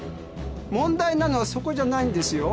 問題なのはそこじゃないんですよ。